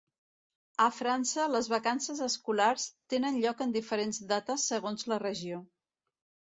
A França, les vacances escolars tenen lloc en diferents dates segons la regió.